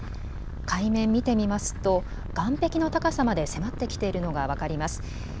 海面見てみますと、岸壁の高さまで迫ってきているのが分かります。